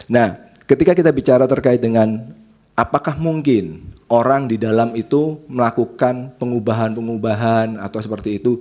nah ketika kita bicara terkait dengan apakah mungkin orang di dalam itu melakukan pengubahan pengubahan atau seperti itu